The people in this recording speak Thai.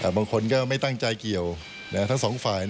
บางคนก็ไม่ตั้งใจเกี่ยวทั้งสองฝ่าย